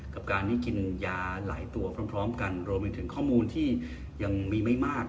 กับการที่กินยาหลายตัวพร้อมกันรวมไปถึงข้อมูลที่ยังมีไม่มาก